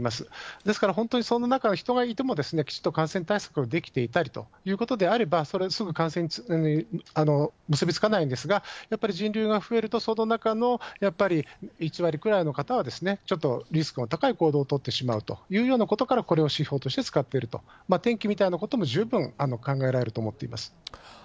ですから、本当にその中に人がいても、きちっと感染対策ができていたりとかということであれば、それはすぐ感染に結び付かないんですが、やっぱり人流が増えると、その中のやっぱり１割ぐらいの方はちょっとリスクの高い行動を取ってしまうということから、これを指標として使っていると、天気みたいなことも十分考えられると思っています。